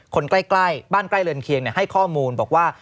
คนใกล้บ้านใกล้เรือนเคียงให้ข้อมูลบอกว่า